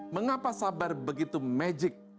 mengapa sabar begitu magic